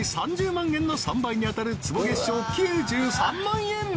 ３０万円の３倍に当たる坪月商９３万円！